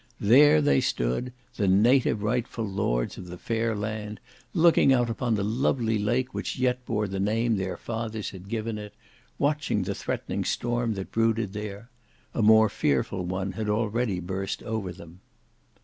There they stood, the native rightful lords of the fair land, looking out upon the lovely lake which yet bore the name their fathers had given it, watching the threatening storm that brooded there; a more fearful one had already burst over them.